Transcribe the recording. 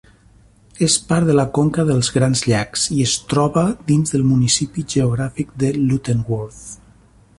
És part de la conca dels Grans Llacs i es troba dins del municipi geogràfic de Lutterworth.